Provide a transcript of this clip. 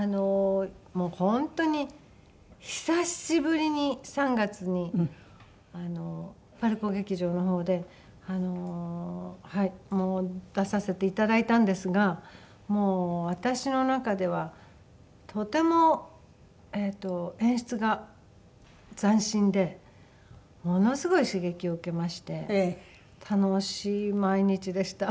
もう本当に久しぶりに３月にパルコ劇場の方で出させていただいたんですがもう私の中ではとても演出が斬新でものすごい刺激を受けまして楽しい毎日でした。